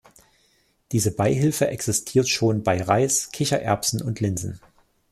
Diese Beihilfe existiert schon bei Reis, Kichererbsen und Linsen.